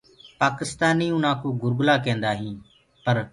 پآڪِستآنيٚ انآ ڪوُ گُرگلآ ڪينٚدآئينٚ پر